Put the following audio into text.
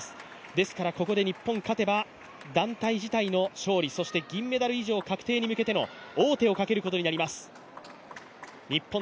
ですからここで日本勝てば団体自体の勝利、そして銀メダル以上確定に向けての王手をかけることになります。